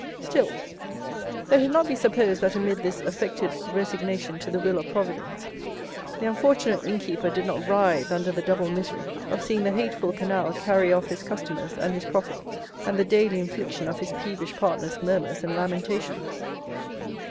Still, let it not be supposed that amid this affected resignation to the will of Providence, the unfortunate innkeeper did not writhe under the double misery of seeing the hateful canal carry off his customers and his profits, and the daily infliction of his peevish partner's murmurs and lamentations.